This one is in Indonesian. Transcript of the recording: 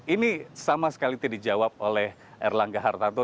ini sama sekali tidak dijawab oleh erlangga hartarto